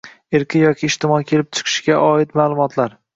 Irqiy yoki ijtimoiy kelib chiqishga oid ma’lumotlar